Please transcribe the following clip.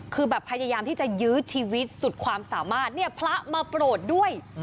คือแบบพยายามที่จะยื้อชีวิตสุดความสามารถเนี่ยพระมาโปรดด้วย